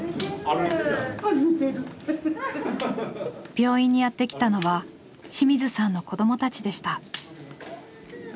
病院にやって来たのは清水さんの子どもたちでした。